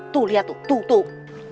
tuh lihat tuh tuh tuh